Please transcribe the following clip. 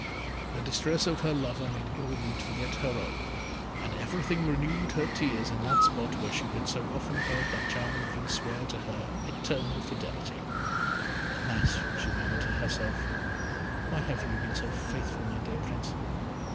The distresses of her lover made Irolite forget her own, and everything renewed her tears in that spot where she had so often heard that charming Prince swear to her eternal fidelity. "Alas!" she murmured to herself, "why have you been so faithful, my dear Prince?